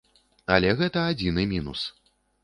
Але гэта адзіны мінус.